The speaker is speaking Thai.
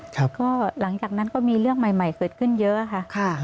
ก็หลังจากนั้นก็มีเรื่องใหม่เกิดขึ้นเยอะค่ะ